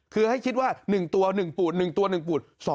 คือให้คิดว่า๑ตัว๑ปูด๑ตัว๑ปูด๒